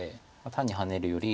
単にハネるより。